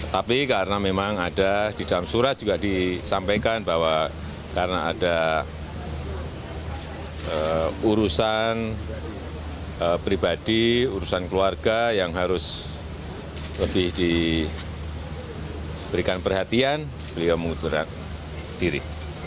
tapi karena memang ada di dalam surat juga disampaikan bahwa karena ada urusan pribadi urusan keluarga yang harus lebih diberikan perhatian beliau mengundurkan diri